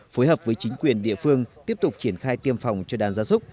phối hợp với chính quyền địa phương tiếp tục triển khai tiêm phòng cho đàn gia súc